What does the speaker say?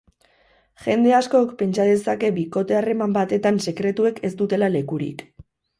Jende askok pentsa dezake bikote harreman batetan sekretuek ez dutela lekurik.